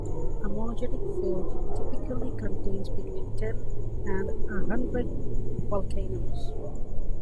A monogenetic field typically contains between ten and a hundred volcanoes.